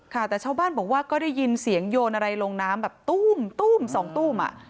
ค่ะแต่ชาวบ้านบอกว่าก็ได้ยินเสียงโยนอะไรลงน้ำแบบตู้มสองตุ้มอ่ะ